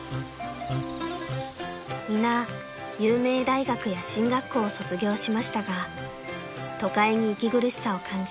［皆有名大学や進学校を卒業しましたが都会に息苦しさを感じ